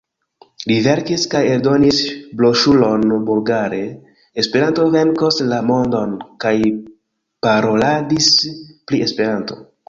Li verkis kaj eldonis broŝuron bulgare: "Esperanto venkos la mondon" kaj paroladis pri Esperanto.